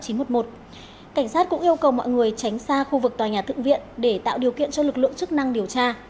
cảnh sát cũng yêu cầu mọi người tránh xa khu vực tòa nhà thượng viện để tạo điều kiện cho lực lượng chức năng điều tra